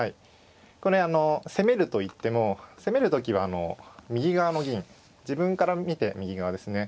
これあの攻めるといっても攻める時は右側の銀自分から見て右側ですね。